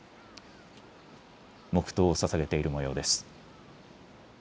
黙とうをささげているもようです。